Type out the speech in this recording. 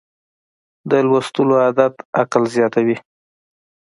د لوستلو عادت عقل زیاتوي.